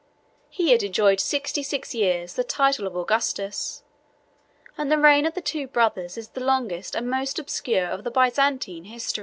He had enjoyed sixty six years the title of Augustus; and the reign of the two brothers is the longest, and most obscure, of the Byzantine history.